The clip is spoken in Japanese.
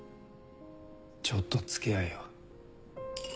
ちょっと付き合えよ。